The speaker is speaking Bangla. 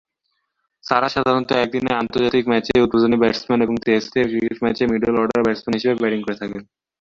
সারাহ সাধারণত একদিনের আন্তর্জাতিক ম্যাচে উদ্বোধনী ব্যাটসম্যান এবং টেস্ট ক্রিকেট ম্যাচে মিডল অর্ডার ব্যাটসম্যান হিসেবে ব্যাটিং করে থাকেন।